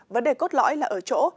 vấn đề cốt lõi là ở chỗ